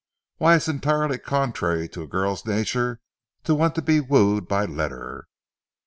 Why, it's entirely contrary to a girl's nature to want to be wooed by letter.